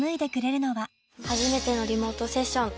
初めてのリモートセッション。